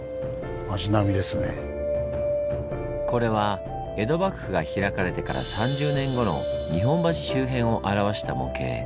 これは江戸幕府が開かれてから３０年後の日本橋周辺をあらわした模型。